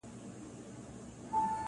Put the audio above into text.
څو یې ستا تېره منگول ته سمومه-